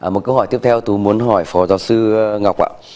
một câu hỏi tiếp theo tôi muốn hỏi phó giáo sư ngọc ạ